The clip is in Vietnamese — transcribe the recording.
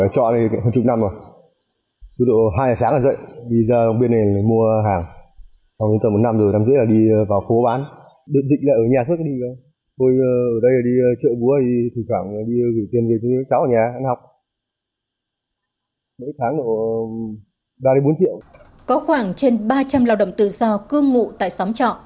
có khoảng trên ba trăm linh lao động tự do cương ngụ tại xóm trọ